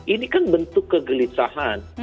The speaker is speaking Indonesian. ini kan bentuk kegelisahan